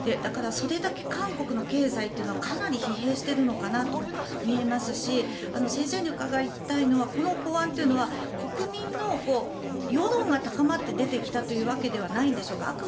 それだけ韓国の経済はかなり疲弊しているのかなとも見えますし先生に伺いたいのはこの法案というのは国民の世論が高まって出てきたというわけではないんでしょうか？